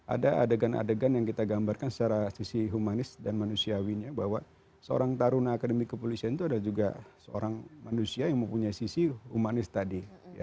ada adegan adegan yang kita gambarkan secara sisi humanis dan manusiawinya bahwa seorang taruna akademi kepolisian itu ada juga seorang manusia yang mempunyai sisi humanis tadi